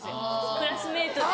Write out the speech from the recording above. クラスメートで。